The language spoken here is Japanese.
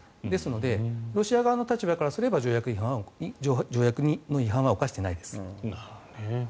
ですのでロシア側の立場からすれば条約の違反は犯していないです。